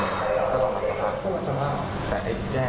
ตอนนี้มันเหลือไปแล้วพี่ตอนนี้มันกลายเป็นเรื่องเลือดไปแล้ว